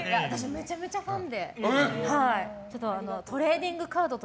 めちゃくちゃファン！